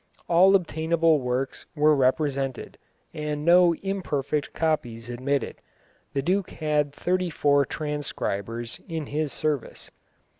All obtainable works were represented, and no imperfect copies admitted. The duke had thirty four transcribers in his service.